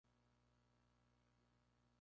Las flores, de color blanco, surgen en panículas.